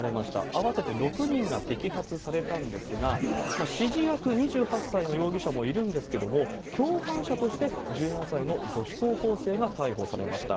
合わせて６人が摘発されたんですが、指示役２８歳の容疑者もいるんですけれども、共犯者として１７歳の女子高校生が逮捕されました。